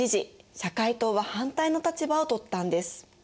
社会党は反対の立場をとったんです。